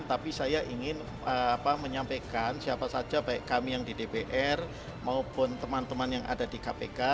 tapi saya ingin menyampaikan siapa saja baik kami yang di dpr maupun teman teman yang ada di kpk